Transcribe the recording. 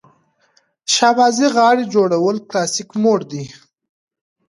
شهبازي غاړه جوړول کلاسیک موډ دی.